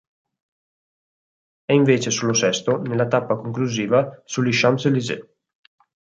È invece solo sesto nella tappa conclusiva sugli Champs-Élysées.